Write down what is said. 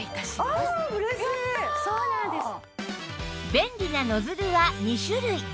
便利なノズルは２種類